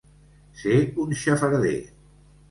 Ser un xafarder.